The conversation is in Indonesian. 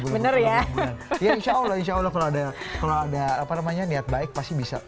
bener ya ya insyaallah insyaallah kalau ada kalau ada apa namanya niat baik pasti bisa